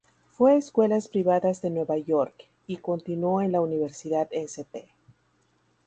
Fue a escuelas privadas de Nueva York, y continuó en la "Universidad St.